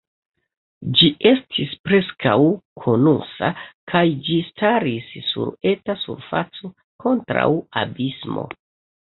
Ĝi estis preskaŭ konusa, kaj ĝi staris sur eta surfaco, kontraŭ abismo.